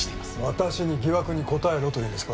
私に疑惑に答えろというんですか？